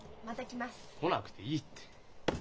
来なくていいって。